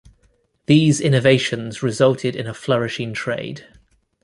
These innovations resulted in a flourishing trade.